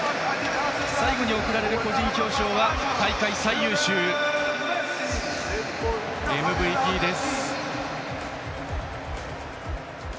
最後に贈られる個人表彰は大会最優秀、ＭＶＰです。